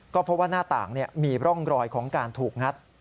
ก็เพราะว่าหน้าต่างมีร่องรอยของการถูกงัด